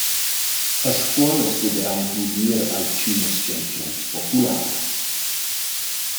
A Scuol as pudaraja dudir alchünas chanzuns popularas.